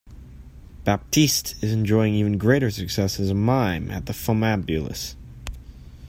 Baptiste is enjoying even greater success as a mime at the Funambules.